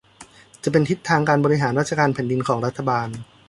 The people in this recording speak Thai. จะเป็นทิศทางการบริหารราชการแผ่นดินของรัฐบาล